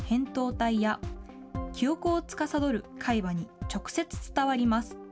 体や、記憶をつかさどる海馬に直接伝わります。